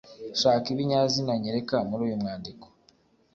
shaka ibinyazina nyereka muri uyu mwandiko,